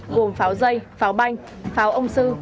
gồm pháo dây pháo banh pháo ông sư